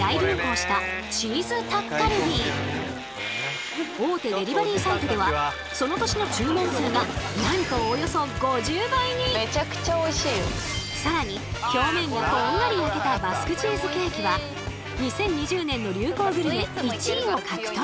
例えば大手デリバリーサイトではその年の注文数が更に表面がこんがり焼けたバスクチーズケーキは２０２０年の流行グルメ１位を獲得！